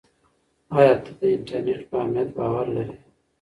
آیا ته د انټرنیټ په امنیت باور لرې؟